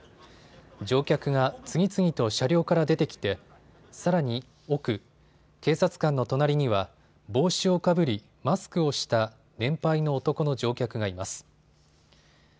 乗客が次々と車両から出てきてさらに奥、警察官の隣には帽子をかぶりマスクをした年配の男の乗客がいます。